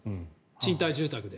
賃貸住宅で。